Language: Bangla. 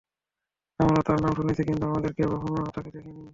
আমরা তার নাম শুনেছি কিন্তু আমাদের কেউ কখনো তাকে দেখিনি।